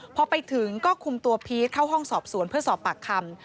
พอไปถึงก็คุมตัวพีชเข้าห้องสอบสวนเพื่อสอบปากคำ